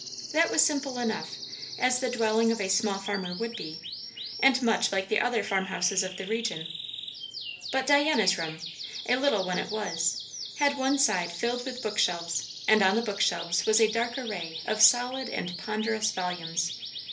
That was simple enough, as the dwelling of a small farmer would be, and much like the other farm houses of the region. But Diana's room, a little one it was, had one side filled with bookshelves; and on the bookshelves was a dark array of solid and ponderous volumes.